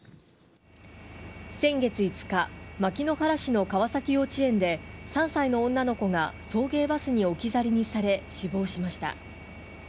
先月５日牧之原市の川崎幼稚園で３歳の女の子が送迎バスに置き去りにされ死亡しました。